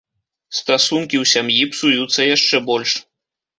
Стасункі ў сям'і псуюцца яшчэ больш.